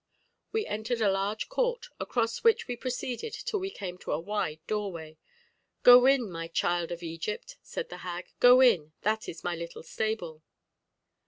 We entered a large court, across which we proceeded till we came to a wide doorway. "Go in, my child of Egypt," said the hag; "go in, that is my little stable."